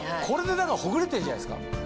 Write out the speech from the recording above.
これでほぐれてるんじゃないですか？